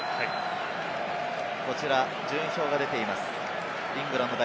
こちら、順位表が出ています。